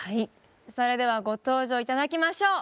それではご登場頂きましょう。